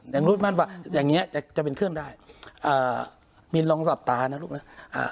อย่างนู้นมั่นว่าอย่างเงี้จะจะเป็นเครื่องได้อ่ามินลองหลับตานะลูกนะอ่า